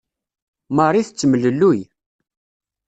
Marie tettemlelluy.